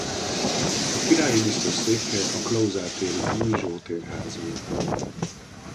A királyi biztos székhelye a Klauzál téri Új Zsótér ház volt.